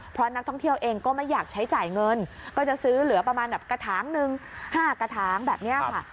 เพราะนักท่องเที่ยวเองก็ไม่อยากใช้จ่ายเงินก็จะซื้อเหลือประมาณแบบกระถางหนึ่ง๕กระถางแบบนี้ค่ะ